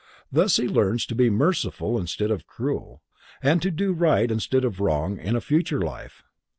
Thus he learns to be merciful instead of cruel, and to do right instead of wrong in a future life.